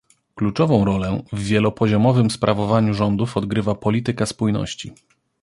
Kluczową rolę w wielopoziomowym sprawowaniu rządów odgrywa polityka spójności